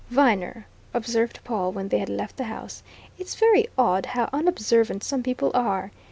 "Viner," observed Pawle when they had left the house, "it's very odd how unobservant some people are!